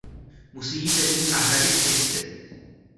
Musí ji tedy nahradit Christine.